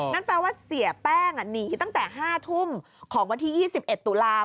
นั่นแปลว่าเสียแป้งหนีตั้งแต่๕ทุ่มของวันที่๒๑ตุลาคม